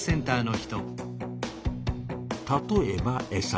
例えばエサ。